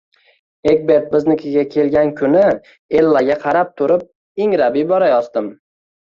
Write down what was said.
Egbert biznikiga kelgan kuni Ellaga qarab turib, ingrab yuborayozdim